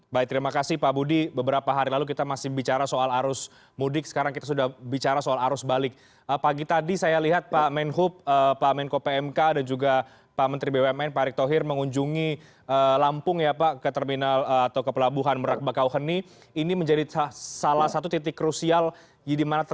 baik baik mas sehat sehat